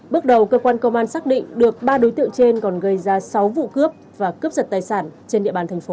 bước đầu cơ quan công an xác định được ba đối tượng trên còn gây ra sáu vụ cướp và cướp giật tài sản trên địa bàn thành phố